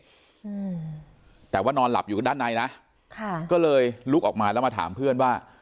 อืมแต่ว่านอนหลับอยู่กันด้านในนะค่ะก็เลยลุกออกมาแล้วมาถามเพื่อนว่า